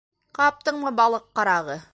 - Ҡаптыңмы, балыҡ ҡарағы!